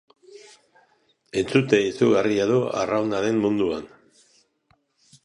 Entzute izugarria du arraunaren munduan.